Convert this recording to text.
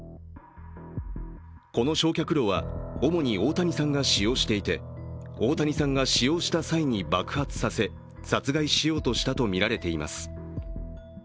この焼却炉は主に大谷さんが使用していて、大谷さんが使用した際に爆発させ殺害しようとしたとみられています。